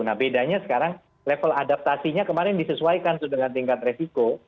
nah bedanya sekarang level adaptasinya kemarin disesuaikan dengan tingkat resiko